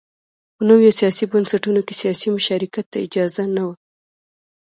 په نویو سیاسي بنسټونو کې سیاسي مشارکت ته اجازه نه وه.